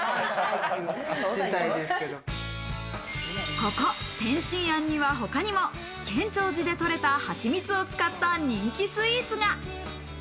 ここ点心庵には他にも建長寺でとれた、はちみつを使った人気スイーツが。